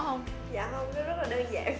dạ không nó rất là đơn giản